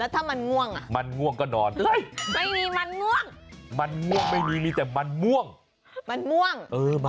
ถ้ามันง่วงอ่ะมันง่วงก็นอนไม่มีมันง่วงมันง่วงไม่มีมีแต่มันม่วงมันม่วง